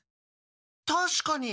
たしかに！